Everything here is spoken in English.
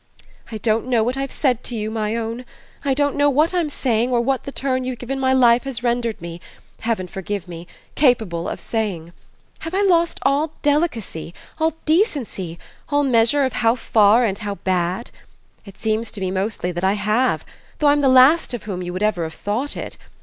"I don't know what I've said to you, my own: I don't know what I'm saying or what the turn you've given my life has rendered me, heaven forgive me, capable of saying. Have I lost all delicacy, all decency, all measure of how far and how bad? It seems to me mostly that I have, though I'm the last of whom you would ever have thought it.